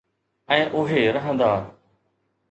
۽ اھي رھندا.